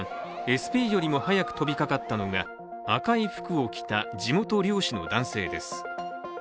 ＳＰよりも早く飛びかかったのが赤い服を着た地元漁師の男性です。